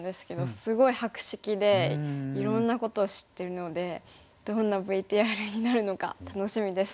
すごい博識でいろんなことを知ってるのでどんなＶＴＲになるのか楽しみです。